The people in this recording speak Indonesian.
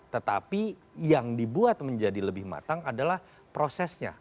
tetapi yang dibuat menjadi lebih matang adalah prosesnya